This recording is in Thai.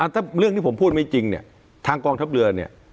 ถ้าเรื่องที่ผมพูดไม่จริงเนี่ยทางกองทัพเรือเนี่ย